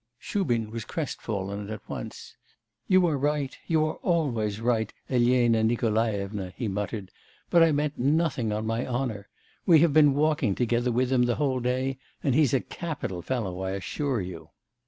Shubin was crestfallen at once. 'You are right, you are always right, Elena Nikolaevna,' he muttered; 'but I meant nothing, on my honour. We have been walking together with him the whole day, and he's a capital fellow, I assure you.